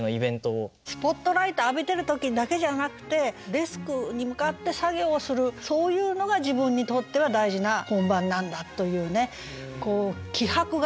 スポットライト浴びてる時だけじゃなくてデスクに向かって作業をするそういうのが自分にとっては大事な本番なんだというね気迫が伝わってきますよね。